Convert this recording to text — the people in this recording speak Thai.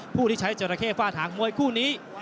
ผู้ที่ใช้เจอร์ระเคฟาถางมวยคู่นี้